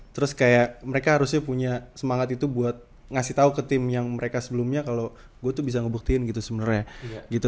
terus kayak mereka harusnya punya semangat itu buat ngasih tau ke tim yang mereka sebelumnya kalau gue tuh bisa ngebuktiin gitu sebenarnya gitu